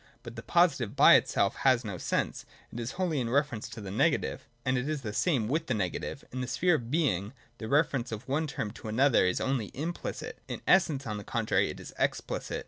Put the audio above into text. But the positive by itself has no sense ; it is wholly in reference to the negative. And it is the same with the negative. In the sphere of Being the reference of one term to another is only implicit ; in Essence on the contrary it is explicit.